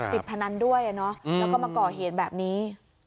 พนันด้วยแล้วก็มาก่อเหตุแบบนี้